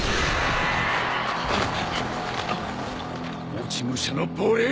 落ち武者の亡霊！